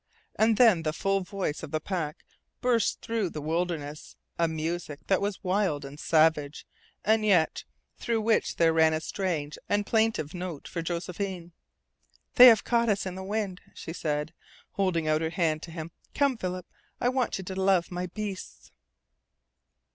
And then the full voice of the pack burst through the wilderness, a music that was wild and savage, and yet through which there ran a strange and plaintive note for Josephine. "They have caught us in the wind," she said, holding out her hand to him. "Come, Philip. I want you to love my beasts."